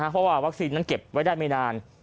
เพราะว่าวัคซีนนั้นเก็บไว้ได้ไม่นาน